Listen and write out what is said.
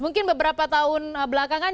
mungkin beberapa tahun belakangan